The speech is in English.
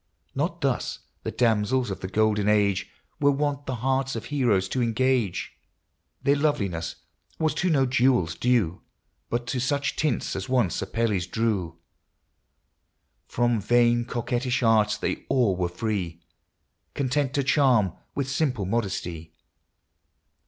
Not thus the damsels of the golden age Were wont the hearts of heroes to engage : Their loveliness was to no jewels due, But to such tints as once Apelles drew. LIFE. 283 From vain coquettish arts they all were free, Content to charm with simple modesty.